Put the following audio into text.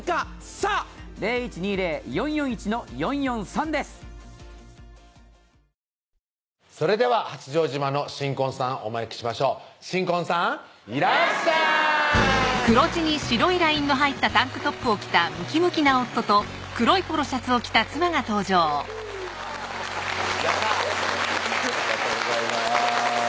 それでは早速参りましょう新婚さんいらっしゃいそれでは八丈島の新婚さんお招きしましょう新婚さんいらっしゃいやったありがとうございます